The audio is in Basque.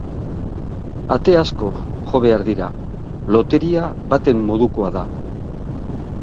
Ate asko jo behar dira, loteria baten modukoa da.